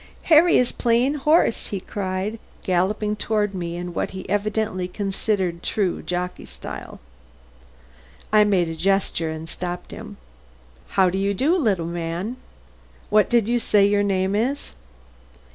"Harry is playing horse," he cried, galloping toward me in what he evidently considered true jockey style. I made a gesture and stopped him. "How do you do, little man? What did you say your name is?"